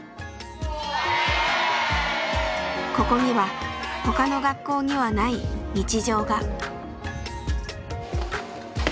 ここには他の学校にはない日常が。